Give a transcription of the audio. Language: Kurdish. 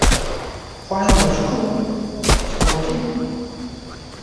Xwehên we ji ku bûn? "Skotî."